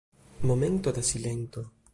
Momento da silento.